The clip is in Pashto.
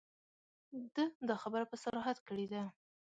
ده دا خبره په صراحت کړې ده.